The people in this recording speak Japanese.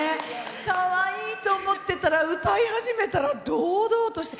かわいいと思ってたら歌い始めたら、堂々として。